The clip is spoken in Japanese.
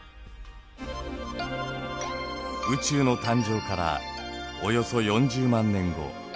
宇宙の誕生からおよそ４０万年後。